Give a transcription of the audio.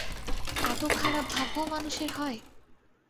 এত খারাপ ভাগ্যও মানুষের হয়?